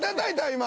今。